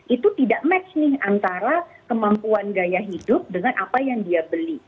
itu tidak match nih antara kemampuan gaya hidup dengan apa yang dia beli